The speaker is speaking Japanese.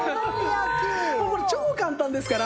もうこれ超簡単ですから。